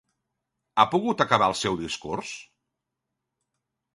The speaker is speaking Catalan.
Ha pogut acabar el seu discurs?